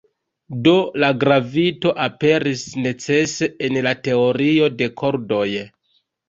Do, la gravito aperis "necese" en la teorio de kordoj.